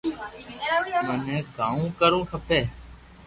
مني ڪاو ڪرووُ کپي